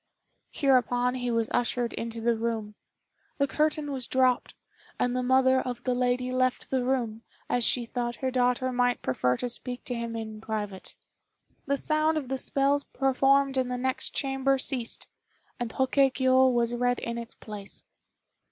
Hereupon he was ushered into the room. The curtain was dropped, and the mother of the lady left the room, as she thought her daughter might prefer to speak to him in private. The sound of the spells performed in the next chamber ceased, and Hoke kiô was read in its place.